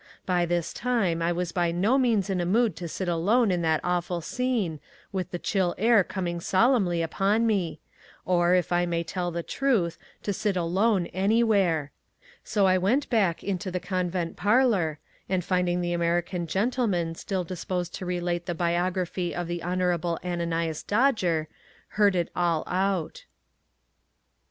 By this time, I was by no means in a mood to sit alone in that awful scene, with the chill air coming solemnly upon me—or, if I may tell the truth, to sit alone anywhere. So I went back into the convent parlour, and, finding the American gentleman still disposed to relate the biography of the Honourable Ananias Dodger, heard it all out.